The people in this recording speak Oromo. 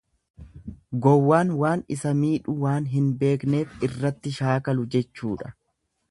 Gowwaan waan isa midhu waan hin beekneef irratti shaakalu jechuudha.